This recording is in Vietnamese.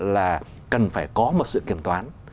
là cần phải có một sự kiểm toán